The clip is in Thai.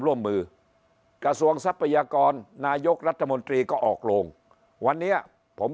ร่วมมือกระทรวงทรัพยากรนายกรัฐมนตรีก็ออกโลงวันนี้ผม